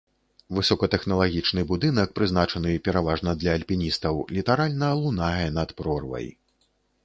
Высокатэхналагічны будынак, прызначаны пераважна для альпіністаў, літаральна лунае над прорвай.